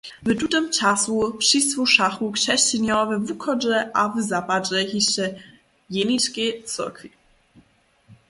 W tutym času přisłušachu křesćenjo we wuchodźe a w zapadźe hišće jeničkej cyrkwi.